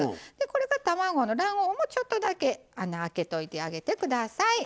卵の卵黄もちょっとだけ穴あけといてあげてください。